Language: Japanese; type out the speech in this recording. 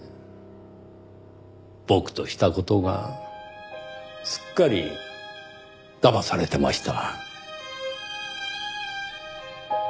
僕とした事がすっかりだまされてました。